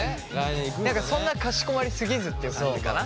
何かそんなかしこまり過ぎずっていう感じかな。